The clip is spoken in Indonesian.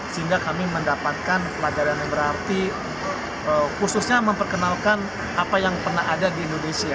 sehingga kami mendapatkan pelajaran yang berarti khususnya memperkenalkan apa yang pernah ada di indonesia